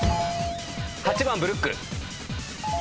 ８番ブルック。